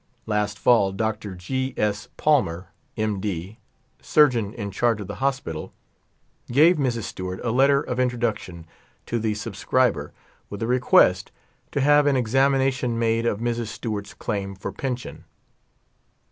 Last fall Dr. G. S. Pal mer, M. D., surgeon in charge of the hospital, gave Mrs. Stewart a letter of introduction to the subscriber, with a request to have an examination made of Mrs. Stewart's claim for pension.